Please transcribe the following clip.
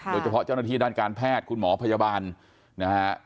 เจ้าหน้าที่ด้านการแพทย์คุณหมอพยาบาลนะฮะ